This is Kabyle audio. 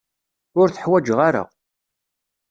Ur t-ḥwaǧeɣ ara.